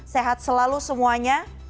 sehat selalu semuanya